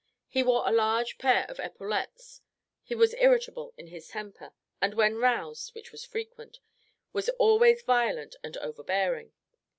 He wore a large pair of epaulettes; he was irritable in his temper; and when roused, which was frequent, was always violent and overbearing.